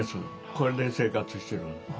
これで生活してるんです。